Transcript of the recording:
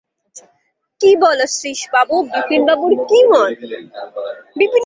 কী বল, শ্রীশবাবু বিপিনবাবুর কী মত?